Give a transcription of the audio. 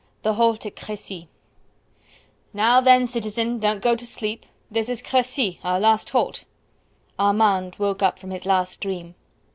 THE HALT AT CRECY "Now, then, citizen, don't go to sleep; this is Crecy, our last halt!" Armand woke up from his last dream.